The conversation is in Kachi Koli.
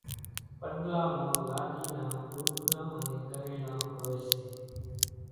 پڏلا مان لاڏِي نان لوُڳڙان انين ڳريڻان هوئيَ سي۔